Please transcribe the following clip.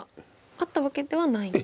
あったわけじゃないんです。